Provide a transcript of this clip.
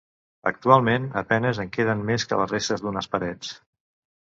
Actualment a penes en queden més que les restes d'unes parets.